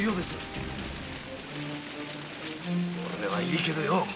俺はいいけどよ